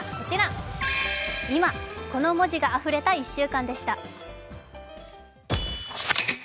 この文字があふれた１週間でした。